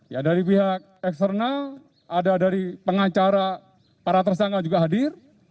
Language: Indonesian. ya dari pihak eksternal ada dari pengacara para tersangka juga hadir